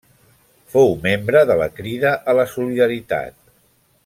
Fou membre de la Crida a la Solidaritat.